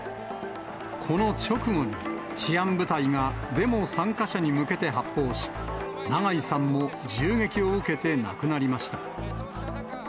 この直後に、治安部隊がデモ参加者に向けて発砲し、長井さんも銃撃を受けて亡くなりました。